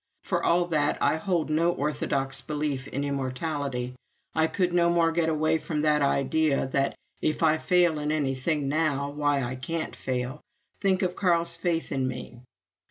For all that I hold no orthodox belief in immortality, I could no more get away from the idea that, if I fail in anything now why I can't fail think of Carl's faith in me!